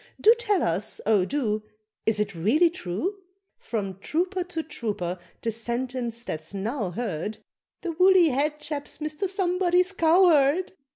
Do tell us, oh do, Is it really true? From trooper to trooper the sentence that's now heard, "The woolly head chap's Mr. Somebody's cowherd."